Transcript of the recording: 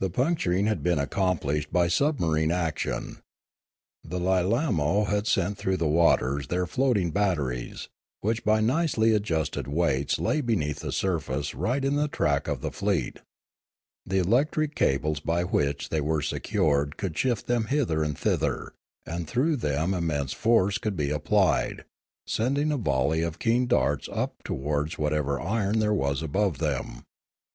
The puncturing had been accomplished by submarine action. The Lilaino had sent through the waters their floating batteries, which by nicely adjusted weights lay beneath the surface right on the track of the fleet. The electric cables by which they were secured could shift them hither and thither; and through them im mense force could be applied, sending a volley of keen darts up towards whatever iron there was above them.